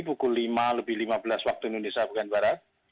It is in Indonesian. pukul lima lima belas waktu indonesia bukit barat